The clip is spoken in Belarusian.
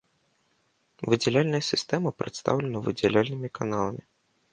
Выдзяляльная сістэма прадстаўлена выдзяляльнымі каналамі.